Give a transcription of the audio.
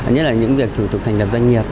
nhất là những việc thủ tục thành lập doanh nghiệp